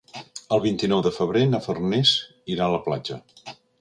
El vint-i-nou de febrer na Farners irà a la platja.